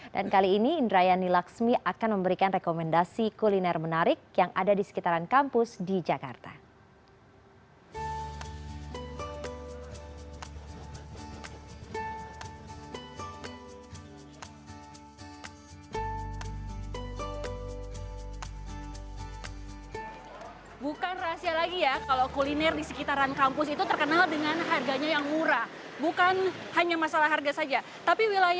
dan kali ini indrayani laksmi akan memberikan rekomendasi kuliner menarik yang ada di sekitaran kampus di jakarta